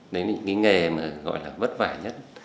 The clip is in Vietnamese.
đến những cái nghề mà gọi là vất vả nhất